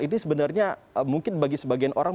ini sebenarnya mungkin bagi sebagian orang